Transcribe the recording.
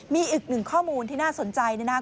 มีอีกหนึ่งข้อมูลที่น่าสนใจนะครับ